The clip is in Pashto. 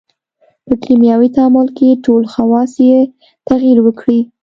په کیمیاوي تعامل کې ټول خواص یې تغیر وکړي.